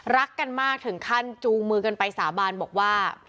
รักกันมากถึงขั้นจูงมือกันไปสาบานบอกว่า